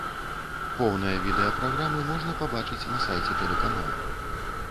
Поўнае відэа праграмы можна пабачыць на сайце тэлеканала.